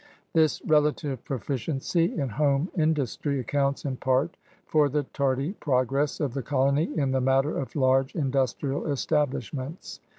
This relative proficiency in home industry accounts in part for the tardy progress of the col ony in the matter of large industrial establish ments.